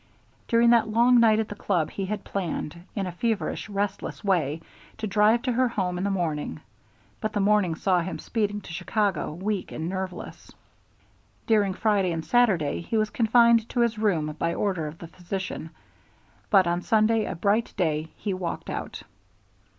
During that long night at the club he had planned, in a feverish, restless way, to drive to her home in the morning; but the morning saw him speeding to Chicago, weak and nerveless. During Friday and Saturday he was confined to his room by order of the physician, but on Sunday, a bright day, he walked out.